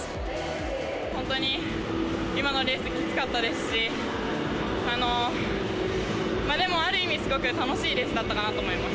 本当に今のレース、きつかったですし、でも、ある意味すごく楽しいレースだったかなと思います。